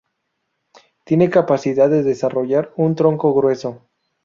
Tiene capacidad de desarrollar un tronco grueso.